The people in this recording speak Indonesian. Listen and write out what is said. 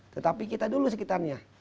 tetapi kita dulu sekitarnya